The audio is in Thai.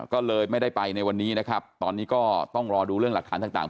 ก็เลยไม่ได้ไปในวันนี้นะครับตอนนี้ก็ต้องรอดูเรื่องหลักฐานต่าง